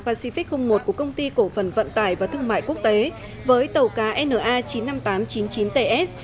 pacific một của công ty cổ phần vận tải và thương mại quốc tế với tàu cá na chín mươi năm nghìn tám trăm chín mươi chín ts